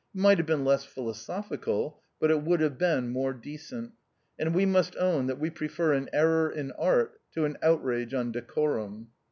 It might have been less philosophical, but it would have been more decent ; and we must own that we prefer an error in art to an outrage on decorum.